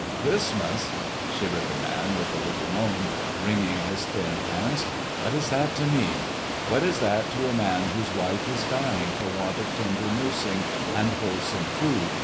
Christmas!" shivered the man with a little moan, wringing his thin hands, "what is that to me! What is that to a man whose wife is dying for want of tender nursing and wholesome food?